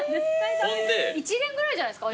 １年ぐらいじゃないですか？